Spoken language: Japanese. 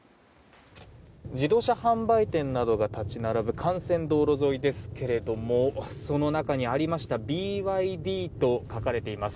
自動車販売店などが立ち並ぶ幹線道路沿いですけれどもその中にありましたＢＹＤと書かれています。